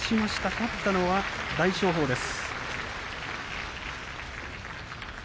勝ったのは大翔鵬です。